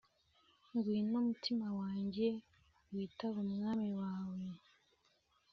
Ngwino, mutima wanjye, Witab' Umwami wawe !